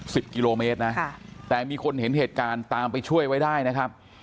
สิบกิโลเมตรนะค่ะแต่มีคนเห็นเหตุการณ์ตามไปช่วยไว้ได้นะครับ